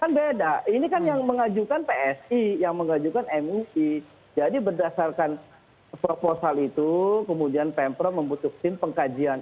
kan beda ini kan yang mengajukan psi yang mengajukan mui jadi berdasarkan proposal itu kemudian pemprov membutuhkan tim pengkajian